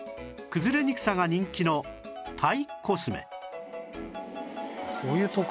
崩れにくさが人気のタイコスメ